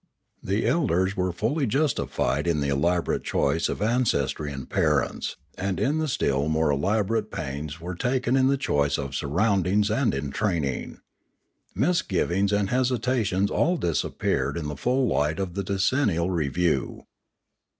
The elders were fully justified in the elaborate choice of ancestry and parents, The Manora and the Imanora 547 and in the still more elaborate pains taken in the choice of surroundings and in training. Misgivings and hesi tations all disappeared in the full light of the decennial review.